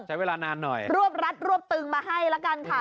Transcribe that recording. ใช้เวลานานหน่อยรวบรัดรวบตึงมาให้ละกันค่ะ